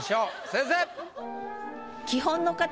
先生！